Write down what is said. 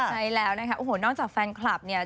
ใช่แล้วนะคะโอ้โหนอกจากแฟนคลับเนี่ย